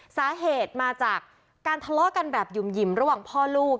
สาเหตุมาจากการทะเลาะกันแบบหยุ่มหยิมระหว่างพ่อลูก